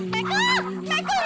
mekel ya allah ya mekel